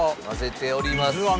混ぜております。